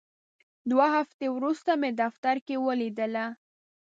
دوه هفتې وروسته مې دفتر کې ولیدله.